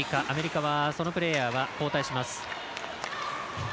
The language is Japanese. アメリカは、そのプレーヤーは交代します。